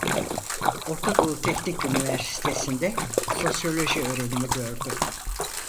Orta Doğu Teknik Üniversitesinde sosyoloji öğrenimi gördü.